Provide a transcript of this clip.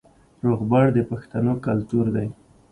روغبړ د پښتنو کلتور دی